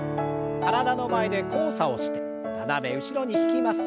体の前で交差をして斜め後ろに引きます。